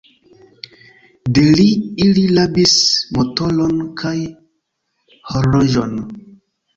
De li, ili rabis motoron kaj horloĝon.